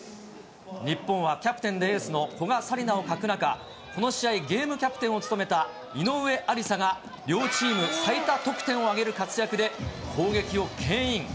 日本はキャプテンでエースの古賀紗理那を欠く中、この試合、ゲームキャプテンを務めた井上亜里沙が両チーム最多得点を挙げる活躍で、攻撃をけん引。